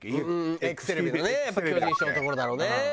『ＥＸテレビ』のねやっぱり巨人師匠のところだろうね。